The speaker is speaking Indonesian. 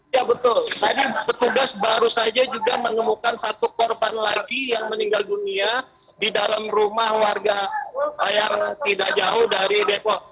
ya betul tadi petugas baru saja juga menemukan satu korban lagi yang meninggal dunia di dalam rumah warga yang tidak jauh dari depok